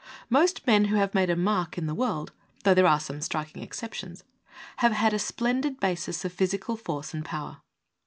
Most men who have made a mark in the world, though there are some striking ex ceptions, have had a splendid basis of physi cal force and power.